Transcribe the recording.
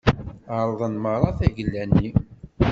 Ԑerḍen merra tagella-nni.